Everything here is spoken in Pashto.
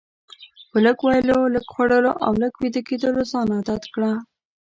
په لږ ویلو، لږ خوړلو او لږ ویده کیدلو ځان عادت کړه.